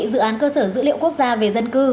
dự án cơ sở dữ liệu quốc gia về dân cư